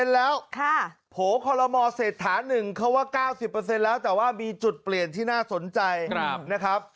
๙๐แล้วค่ะโหคอลโรโมเศรษฐา๑เขาว่า๙๐เปอร์เซ็นแล้วแต่ว่ามีจุดเปลี่ยนที่น่าสนใจนะครับ